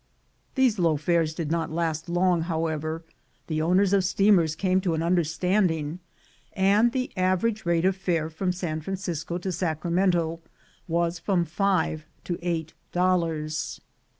These low fares did not last long, however; the owners of steamers came to an understanding, and the average rate of fare from San Francisco to Sacramento was from five to eight dollars.